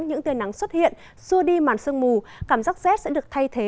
những cây nắng xuất hiện xua đi màn sương mù cảm giác rét sẽ được thay thế